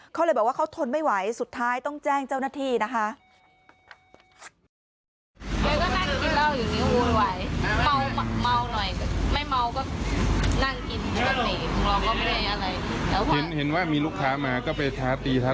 เขาเลยบอกว่าเขาทนไม่ไหวสุดท้ายต้องแจ้งเจ้าหน้าที่นะคะ